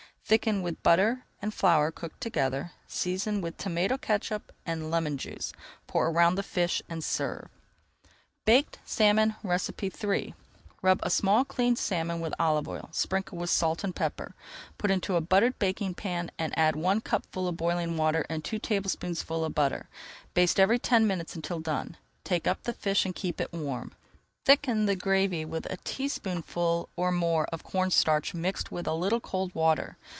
Thicken with butter and flour cooked together, season with tomato catsup and lemon juice. Pour around the fish and serve. [Page 271] BAKED SALMON III Rub a small cleaned salmon with olive oil, sprinkle with salt and pepper, put into a buttered baking pan, and add one cupful of boiling water and two tablespoonfuls of butter. Baste every ten minutes until done. Take up the fish and keep it warm. Thicken the gravy with a teaspoonful or more of cornstarch mixed with a little cold water.